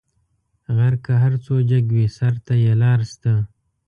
غر که هر څو جګ وي؛ سر ته یې لار سته.